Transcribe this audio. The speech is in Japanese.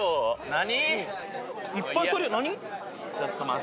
何？